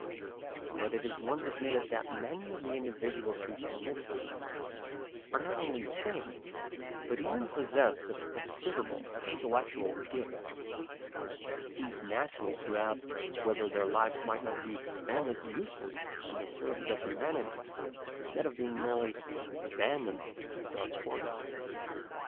But once it is admitted that many of the individuals who commit suicide are not only sane, but even possessed of considerable intellectual gifts, it seems natural to ask whether their lives might not be expended usefully in the service of humanity instead of being merely abandoned in dark corners.